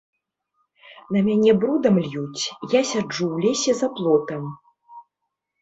На мяне брудам льюць, я сяджу ў лесе за плотам.